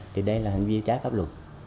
thì đây là hành vi trái pháp luật